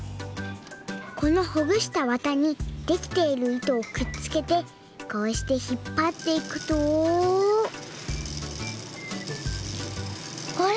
このほぐしたわたにできているいとをくっつけてこうしてひっぱっていくとあれ？